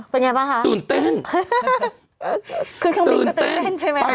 เป็นไงบ้างคะ